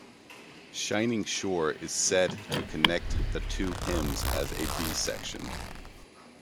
"Shining Shore" is said to connect the two hymns as a B section.